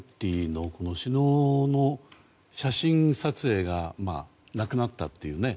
Ｇ２０の首脳の写真撮影がなくなったっていう。